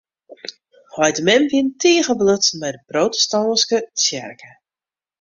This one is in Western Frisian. Heit en mem wiene tige belutsen by de protestantske tsjerke.